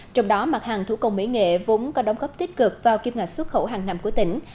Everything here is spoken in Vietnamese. trong đó mặt hàng thủ công mỹ nghệ vốn có đóng góp tích cực vào kiếm ngạc xuất khẩu hàng năm của tỉnh